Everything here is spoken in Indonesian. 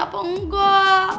gak tau apa enggak